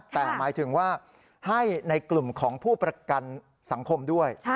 แต่หมายถึงว่าให้ในกลุ่มของผู้ประกันสังคมด้วย